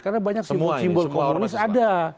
karena banyak simbol komunis ada